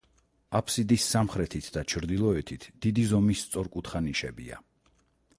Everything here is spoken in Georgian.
აბსიდის სამხრეთით და ჩრდილოეთით დიდი ზომის სწორკუთხა ნიშებია.